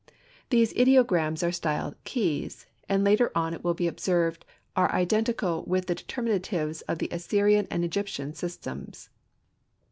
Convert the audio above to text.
These ideograms are styled "keys," and later on it will be observed are identical with the determinatives of the Assyrian and Egyptian systems.